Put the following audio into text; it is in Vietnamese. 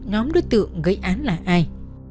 ngóm đối tượng gây án là ai